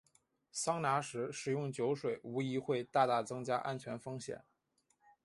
桑拿时食用酒水无疑会大大增加安全风险。